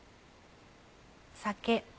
酒。